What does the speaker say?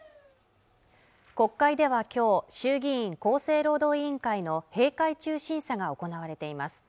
国会ではきょう衆議院厚生労働委員会の閉会中審査が行われています